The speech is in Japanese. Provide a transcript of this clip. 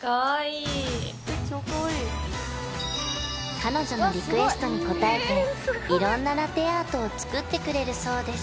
彼女のリクエストに応えて色んなラテアートを作ってくれるそうです